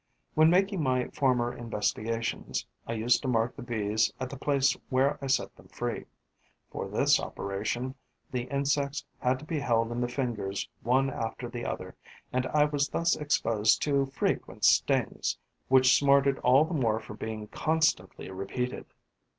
When making my former investigations, I used to mark the Bees at the place where I set them free. For this operation, the insects had to be held in the fingers one after the other; and I was thus exposed to frequent stings, which smarted all the more for being constantly repeated.